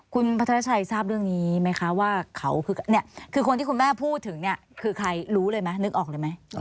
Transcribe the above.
คุณพัฒนาชัยทราบเรื่องนี้ไหมคะว่าเขาคือคนที่คุณแม่พูดถึงเนี่ยคือใครรู้เลยไหมนึกออกเลยไหม